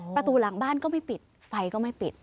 ประตูหลังบ้านก็ไม่ปิดไฟก็ไม่ปิด